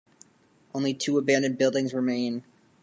Only two abandoned buildings remain.